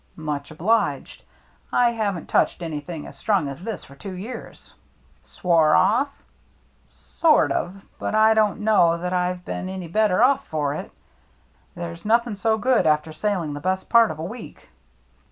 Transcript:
" Much obliged. I haven't touched anything as strong as this for two years." "Swore off?" "Sort of, but I don't know that I've been any better off for it. There's nothing so good after sailing the best part of a week."